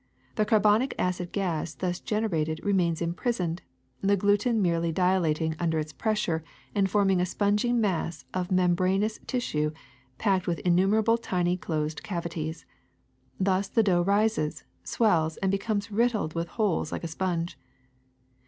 The carbonic acid gas thus generated remains imprisoned, the gluten merely dilating under its pressure and form ing a spongy mass of membranous tissue packed with innumerable tiny closed cavities. Thus the dough rises, swells, and becomes riddled with holes like a sponge.